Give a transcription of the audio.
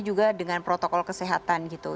juga dengan protokol kesehatan gitu